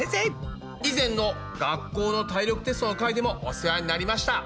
以前の学校の体力テストの回でもお世話になりました。